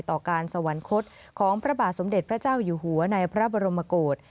ต่อการสวรรคตของพระบาทสมเด็จพระเจ้าอยู่หัวในพระบรมกฏ